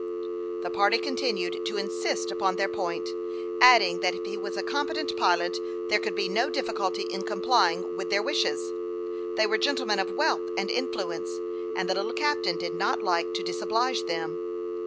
The party continued to insist upon their point, adding that if he was a competent pilot there could be no difficulty *in complying with their wishes. They were gentlemen of wealth and influence, and the little captain did not like to disoblige them.